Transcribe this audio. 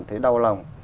thấy đau lòng